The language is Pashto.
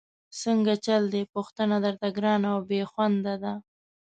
څنګه چل دی، پوښتنه درته ګرانه او بېخونده ده؟!